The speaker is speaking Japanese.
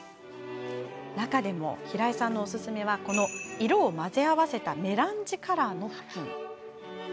中でも平井さんのおすすめは色を混ぜ合わせたメランジカラーのふきん。